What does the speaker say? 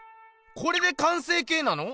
これで完成形なの？